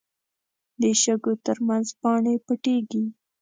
د شګو تر منځ پاڼې پټېږي